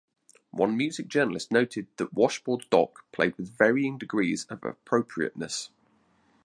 One music journalist noted that Washboard Doc "played with varying degrees of appropriateness".